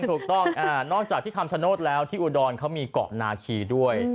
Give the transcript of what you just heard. ถูกต้องนอกจากที่คำชโนธแล้วที่อุดรเขามีเกาะนาคีด้วย